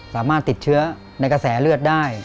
สามารถติดเชื้อในกระแสเลือดได้